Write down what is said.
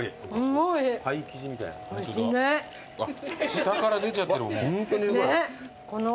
下から出ちゃってる。